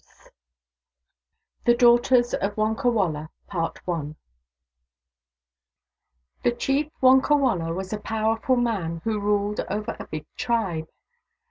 X THE DAUGHTERS OF WONKAWALA THE Chief Wonkawala was a powerful man, who ruled over a big tribe.